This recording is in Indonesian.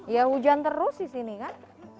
ya hujan terus di sini kan